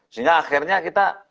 sehingga akhirnya kita